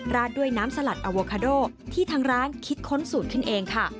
ราดด้วยน้ำสลัดอโวคาโดที่ทางร้านคิดค้นสูตรขึ้นเองค่ะ